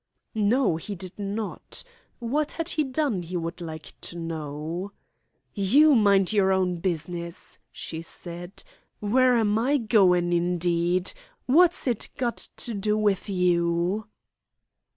No, he did not. What had he done, he would like to know. "You mind your own business," she said. "Where am I goin', indeed. What's it got to do with you?"